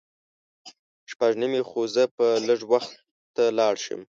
شپږ نیمې خو زه به لږ وخته لاړ شم.